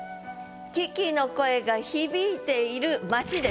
キキの声がひびいている街です。